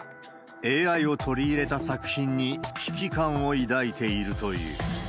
ＡＩを取り入れた作品に危機感を抱いているという。